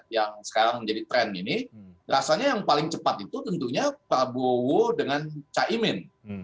yang sekarang menjadi tren ini rasanya yang paling cepat itu tentunya prabowo dengan caimin